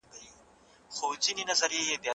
ولې د تاریخ کردارونه دومره زیات افراطي مخالفین لري؟